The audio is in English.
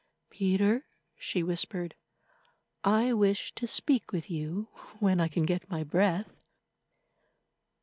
"Peter," she whispered, "I wish to speak with you when I can get my breath.